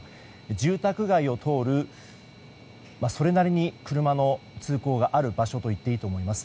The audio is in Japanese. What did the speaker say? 住宅街を通るそれなりに車の通行がある場所と言っていいと思います。